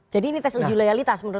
jadi ini tes uji loyalitas menurut anda